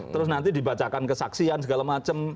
terus nanti dibacakan kesaksian segala macam